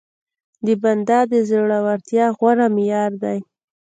د بنده د زورورتيا غوره معيار دی.